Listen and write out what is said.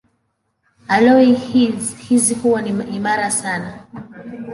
Aloi hizi huwa ni imara sana.